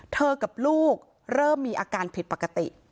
กับลูกเริ่มมีอาการผิดปกติ